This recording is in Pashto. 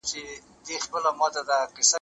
مينه د مور له خوا ښکاره کيږي،